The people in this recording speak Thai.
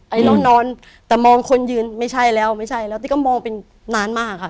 เรานอนแต่มองคนยืนไม่ใช่แล้วไม่ใช่แล้วแต่ก็มองเป็นนานมากค่ะ